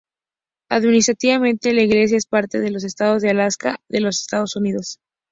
Administrativamente, la isla es parte del estado de Alaska de los Estados Unidos.